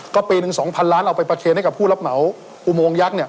ก็ปีหนึ่ง๒๐๐ล้านเอาไปประเคนให้กับผู้รับเหมาอุโมงยักษ์เนี่ย